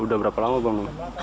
sudah berapa lama bang